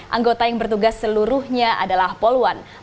anggota yang bertugas seluruhnya adalah pol one